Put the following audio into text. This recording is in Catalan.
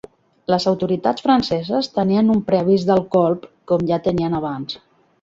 Les autoritats franceses tenien un preavís del colp, com ja tenien abans.